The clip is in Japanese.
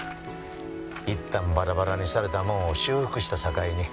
いったんバラバラにされたもんを修復したさかいに。